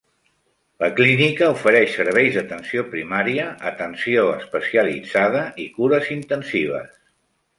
La clínica ofereix serveis d'atenció primària, atenció especialitzada i cures intensives.